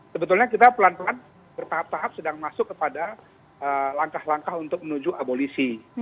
sebetulnya kita pelan pelan bertahap tahap sedang masuk kepada langkah langkah untuk menuju abolisi